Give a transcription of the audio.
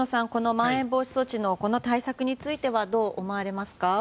まん延防止措置のこの対策についてはどう思われますか。